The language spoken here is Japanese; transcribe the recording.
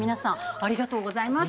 ありがとうございます。